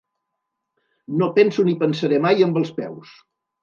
No penso ni pensaré mai amb els peus.